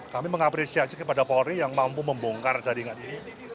kami mengapresiasi kepada polri yang mampu membongkar jaringan ini